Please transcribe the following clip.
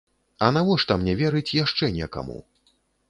А навошта мне верыць яшчэ некаму?